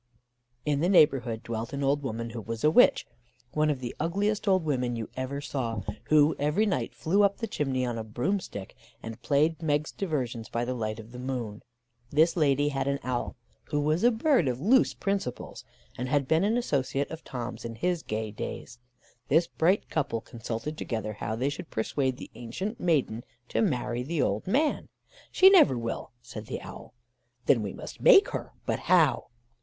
"In the neighbourhood dwelt an old woman, who was a witch one of the ugliest old women you ever saw, who every night flew up the chimney on a broom stick, and played Meg's diversions by the light of the moon. This lady had an owl, who was a bird of loose principles, and had been an associate of Tom's in his gay days. This bright couple consulted together how they should persuade the ancient maiden to marry the old man. "'She never will,' said the owl. "'Then we must make her; but how?